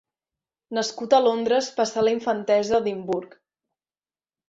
Nascut a Londres passà la infantesa a Edimburg.